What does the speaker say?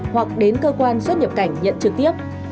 hoặc đến cơ quan xuất nhập cảnh nhận trực tiếp